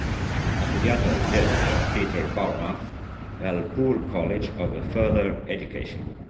Ha studiato al Jellicoe Theatre Bournemouth e al Poole College of Further Education.